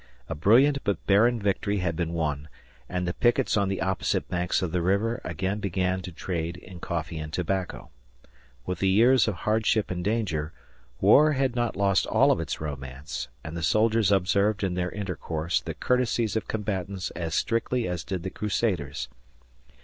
A brilliant but barren victory had been won, and the pickets on the opposite banks of the river again began to trade in coffee and tobacco. With the years of hardship and danger, war had not lost all of its romance, and the soldiers observed in their intercourse the courtesies of combatants as strictly as did the Crusaders.